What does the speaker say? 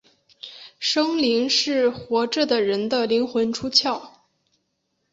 生灵是活着的人的灵魂出窍。